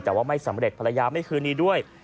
แต่ว่าไม่สำเร็จภรรยาไม่คืนนี้ด้วย